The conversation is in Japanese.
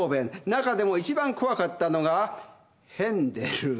中でも一番怖かったのがヘンデル。